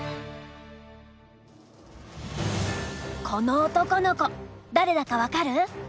この男の子誰だか分かる？